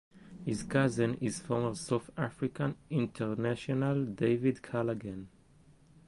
His cousin is former South African international David Callaghan.